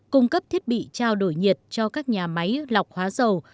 cung cấp thiết bị trao đổi nhiệt cho các nhà máy lọc hóa dầu